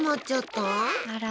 あら？